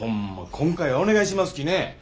今回はお願いしますきね。